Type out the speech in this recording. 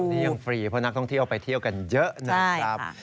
นี่ยังฟรีเพราะนักท่องเที่ยวไปเที่ยวกันเยอะนะครับ